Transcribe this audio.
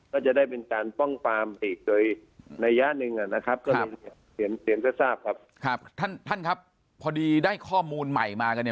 ก็จะได้เป็นการป้องว์พาร์มอีกโดยไนยะหนึ่งอ่ะนะครับท่านครับพอดีได้ข้อมูลใหม่มากันเอง